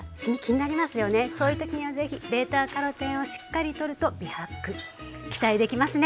そういう時には是非ベータカロテンをしっかりとると美白期待できますね。